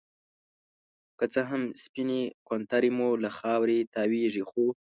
که څه هم سپينې کونترې مو له خاورې تاويږي ،خو